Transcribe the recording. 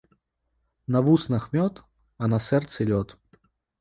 На вуснах — мёд, а на сэрцы — лёд